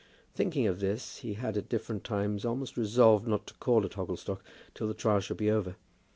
Thinking of this, he had at different times almost resolved not to call at Hogglestock till the trial should be over.